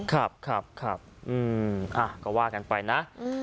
ครับครับครับอ่าก็ว่ากันไปนะ